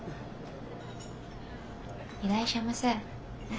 いらっしゃいませ。